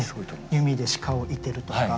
弓で鹿を射てるとか。